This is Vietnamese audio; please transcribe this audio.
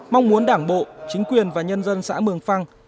mong muốn đảng bộ chính quyền và nhân dân xã mường phăng